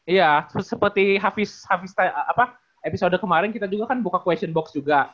iya soalnya seperti hafiz apa episode kemarin kita juga kan buka question box juga